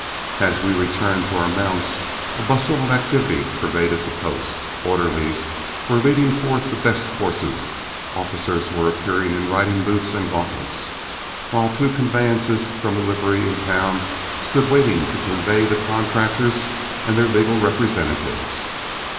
As we returned to our mounts, a bustle of activity pervaded the post. Orderlies were leading forth the best horses, officers were appearing in riding boots and gauntlets, while two conveyances from a livery in town stood waiting to convey the contractors and their legal representatives.